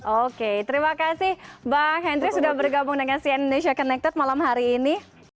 oke terima kasih bang henry sudah bergabung dengan cn indonesia connected malam hari ini